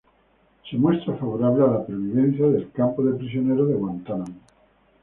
Se muestra favorable a la pervivencia del campo de prisioneros de Guantánamo.